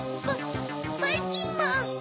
ばいきんまん。